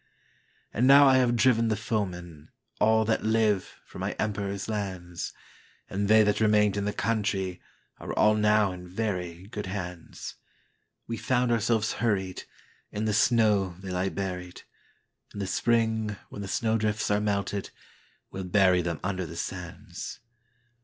And now I have driven the foemen, All that live, from my Emperor's lands; And they that remained in the countryAre all now in very good hands. We found ourselves hurried—In the snow they lie buried—In the spring, when the snow drifts are melted, We 'll bury them under the sands.